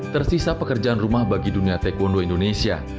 tersisa pekerjaan rumah bagi dunia taekwondo indonesia